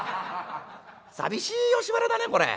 寂しい吉原だねこれ。